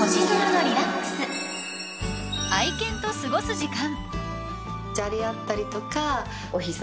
［愛犬と過ごす時間］